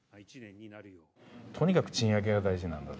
とにかく賃上げが大事なんだと。